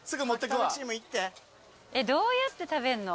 どうやって食べんの？